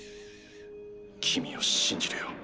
君を信じるよ。